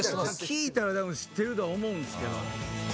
聴いたらたぶん知ってるとは思うんですけど。